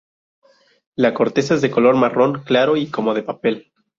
La corteza es de color marrón claro y como de papel.